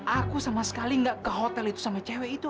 aku sama sekali nggak ke hotel itu sama cewek itu